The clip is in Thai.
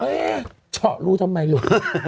เฮ้ยเฉาะรู้ทำไมรู้